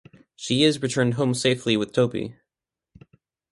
She is returned home safely with Toby.